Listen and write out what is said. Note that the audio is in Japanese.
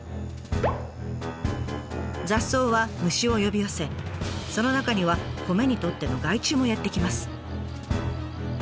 雑草は虫を呼び寄せその中には米にとっての害虫もやって来ます。